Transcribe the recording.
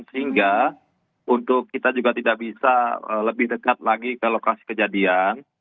sehingga untuk kita juga tidak bisa lebih dekat lagi ke lokasi kejadian